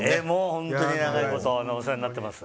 本当に長いことお世話になってます。